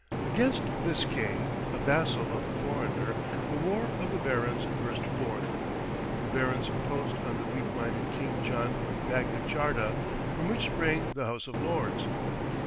Against this king, a vassal of the foreigner, the War of the Barons burst forth. The barons imposed on the weak minded King John Magna Charta, from which sprang the House of Lords.